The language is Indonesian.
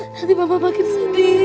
nanti mama makin sedih